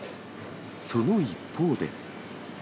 その一方で。